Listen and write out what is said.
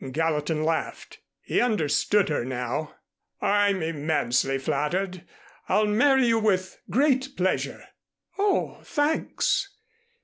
Gallatin laughed. He understood her now. "I'm immensely flattered. I'll marry you with great pleasure " "Oh, thanks."